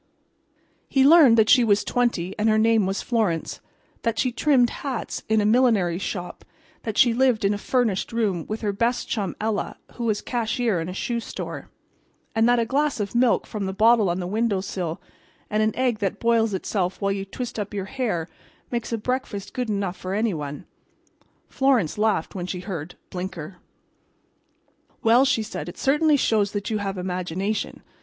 He learned that she was twenty, and her name was Florence; that she trimmed hats in a millinery shop; that she lived in a furnished room with her best chum Ella, who was cashier in a shoe store; and that a glass of milk from the bottle on the window sill and an egg that boils itself while you twist up your hair makes a breakfast good enough for any one. Florence laughed when she heard "Blinker." "Well," she said. "It certainly shows that you have imagination.